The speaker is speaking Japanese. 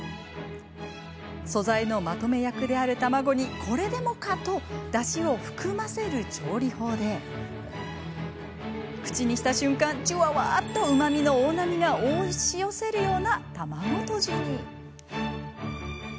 素材のまとめ役である卵にこれでもかとだしを含ませる調理法で口にした瞬間、じゅわわっとうまみの大波が押し寄せるような卵とじになるんです。